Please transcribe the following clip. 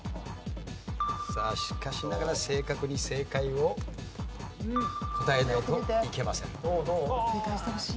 さあしかしながら正確に正解を答えないといけません。